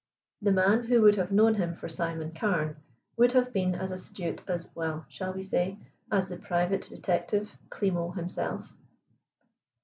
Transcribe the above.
The man who would have known him for Simon Carne would have been as astute as, well, shall we say, as the private detective Klimo himself.